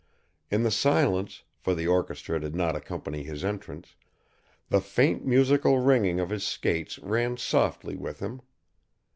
In the silence, for the orchestra did not accompany his entrance, the faint musical ringing of his skates ran softly with him.